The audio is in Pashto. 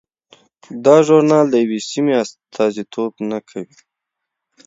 دا ژورنال د یوې سیمې استازیتوب نه کوي.